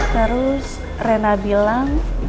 terus rena bilang